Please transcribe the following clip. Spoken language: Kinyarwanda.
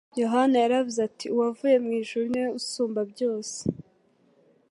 Yohana yaravuze ati: “uwavuye mu ijuru niwe usumba byose,